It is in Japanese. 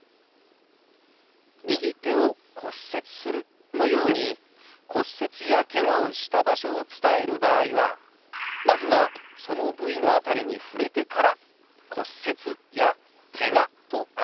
「右手を骨折する」のように骨折やけがをした場所を伝える場合はまずはその部位の辺りに触れてから「骨折」や「けが」と表しますよ。